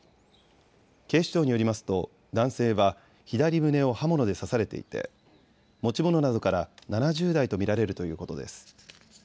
警視庁によりますと男性は左胸を刃物で刺されていて持ち物などから７０代と見られるということです。